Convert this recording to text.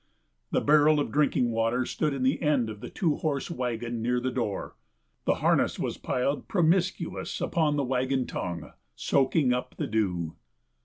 The barrel of drinking water stood in the end of the two horse wagon near the door. The harness was piled, promiscuous, upon the wagon tongue, soaking up the dew.